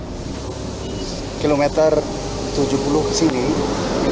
hari rian menteri perhubungan pada mudik tahun lalu ini punya alasan kuat sebab pule gerbang